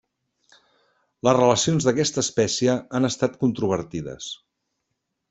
Les relacions d'aquesta espècie han estat controvertides.